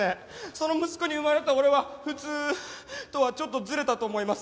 その息子に生まれた俺は普通とはちょっとズレたと思います。